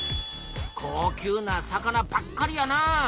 高級な魚ばっかりやな。